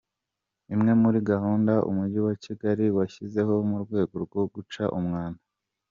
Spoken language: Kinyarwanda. Imwe muri gahunda Umujyi wa Kigali washyizeho mu rwego rwo guca umwanda